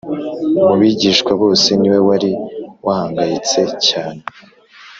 mu bigishwa bose, ni we wari wahangayitse cyane